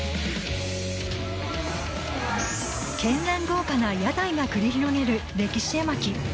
絢爛豪華な山車が繰り広げる歴史絵巻